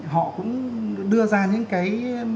họ cũng đưa ra những cái